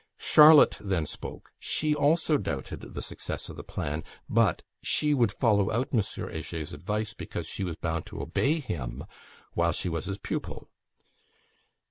Charlotte then spoke; she also doubted the success of the plan; but she would follow out M. Heger's advice, because she was bound to obey him while she was his pupil.